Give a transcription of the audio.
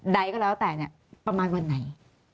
ใดก็แล้วแต่ประมาณวันไหน